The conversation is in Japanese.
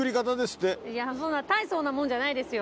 そんな大層なもんじゃないですよ。